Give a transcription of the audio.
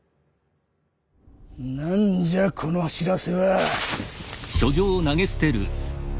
何じゃこの知らせは！